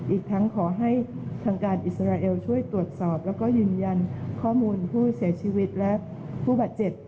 อีกทั้งขอให้ทางการอิสราเอลช่วยตรวจสอบแล้วก็ยืนยันข้อมูลผู้เสียชีวิตและผู้บาดเจ็บ